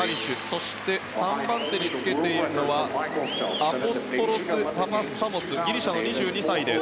そして３番手につけているのはアポストロス・パパスタモスギリシャの２２歳です。